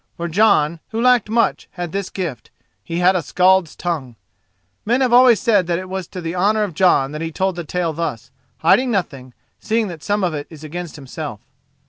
For Jon, who lacked much, had this gift: he had a skald's tongue. Men have always held that it was to the honour of Jon that he told the tale thus, hiding nothing, seeing that some of it is against himself.